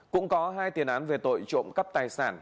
cũng có hai tiền án về tội trộm cắp tài sản